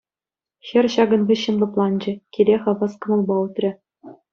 Хӗр ҫакӑн хыҫҫӑн лӑпланчӗ, киле хавас кӑмӑлпа утрӗ.